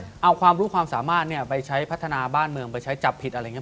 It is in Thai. เอาความรู้ความสามารถเนี่ยไปใช้พัฒนาบ้านเมืองไปใช้จับผิดอะไรอย่างนี้